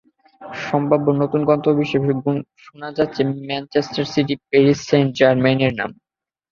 সম্ভাব্য নতুন গন্তব্য হিসেবে শোনা গেছে ম্যানচেস্টার সিটি, প্যারিস সেইন্ট জার্মেইয়ের নাম।